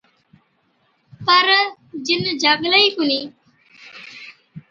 پَر جِن جاگلَي ئِي ڪونهِي۔